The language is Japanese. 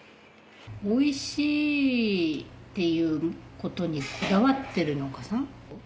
おいしいっていう事にこだわってる農家さん。